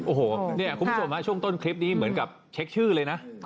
โอ้โหเนี่ยคุณผู้ชมช่วงต้นคลิปนี้เหมือนกับเช็คชื่อเลยนะ